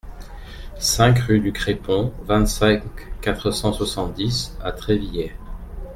cinq rue du Crépon, vingt-cinq, quatre cent soixante-dix à Trévillers